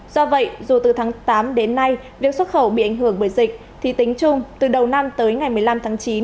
do vậy dù từ tháng tám đến nay việc xuất khẩu bị ảnh hưởng bởi dịch thì tính chung từ đầu năm tới ngày một mươi năm tháng chín